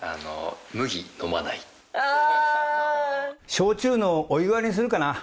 焼酎のお湯割りにするかな。